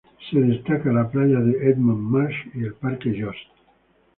Se destaca la playa de Edmonds Marsh y el parque Yost.